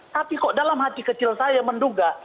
tapi kok dalam hati kecil saya menduga